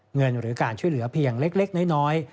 หรือการช่วยเหลือเพียงเล็กน้อย